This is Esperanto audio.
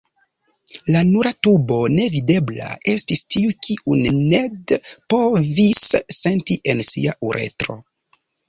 La nura tubo nevidebla estis tiu kiun Ned povis senti en sia uretro.